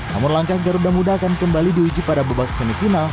namun langkah garuda muda akan kembali diuji pada babak semifinal